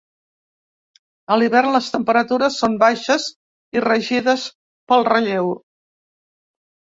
A l'hivern les temperatures són baixes i regides pel relleu.